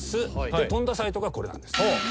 飛んだサイトがこれなんです。